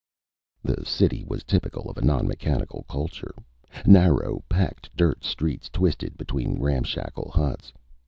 The city was typical of a non mechanical culture. Narrow, packed dirt streets twisted between ramshackle huts.